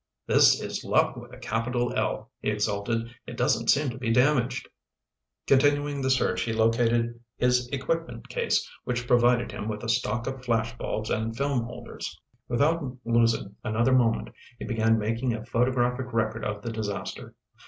"This is luck with a capital L," he exulted. "It doesn't seem to be damaged." Continuing the search, he located his equipment case which provided him with a stock of flash bulbs and film holders. Without losing another moment, he began making a photographic record of the disaster.